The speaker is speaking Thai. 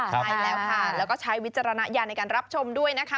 ใช่แล้วค่ะแล้วก็ใช้วิจารณญาณในการรับชมด้วยนะคะ